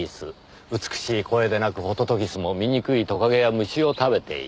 美しい声で鳴くホトトギスも醜いトカゲや虫を食べている。